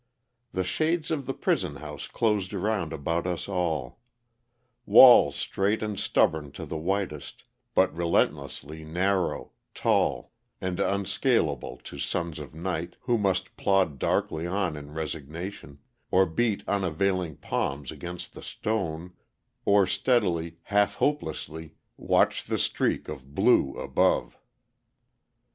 The shades of the prison house closed round about us all: walls strait and stubborn to the whitest, but relentlessly narrow, tall and unscalable to sons of night who must plod darkly on in resignation, or beat unavailing palms against the stone, or steadily, half hopelessly, watch the streak of blue above."